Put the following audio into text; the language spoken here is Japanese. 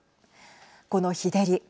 この日照り